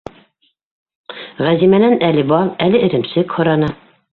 Ғәзимәнән әле бал, әле эремсек һораны.